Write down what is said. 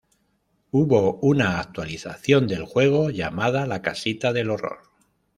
Hubo una actualización del juego llamada La Casita del Horror.